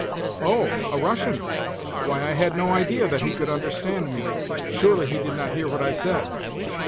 "Oh, a Russian? Why, I had no idea that he could understand me! Surely he did not hear what I said?